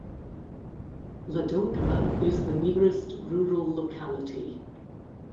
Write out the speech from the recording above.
Ladoga is the nearest rural locality.